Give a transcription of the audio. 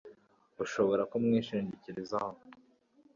Urashobora kumwishingikiriza